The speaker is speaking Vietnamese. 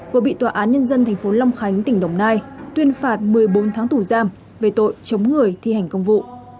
vừa bị tòa án nhân dân tp long khánh tỉnh đồng nai tuyên phạt một mươi bốn tháng tù giam về tội chống người thi hành công vụ